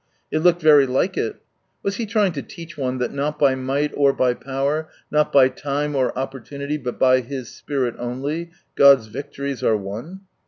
It looked very like it. Was He trying to teach one, that not by might or by power, not by time or Opportunity, but by His Spirit only, God's victories are won ?